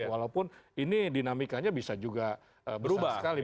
walaupun ini dinamikanya bisa juga berubah sekali